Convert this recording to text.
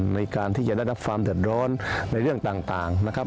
ในการที่จะได้รับความเดือดร้อนในเรื่องต่างนะครับ